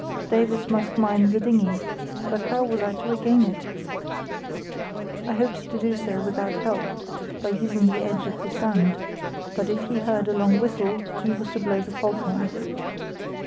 Davies must mind the dinghy; but how was I to regain it? I hoped to do so without help, by using the edge of the sand; but if he heard a long whistle he was to blow the foghorn.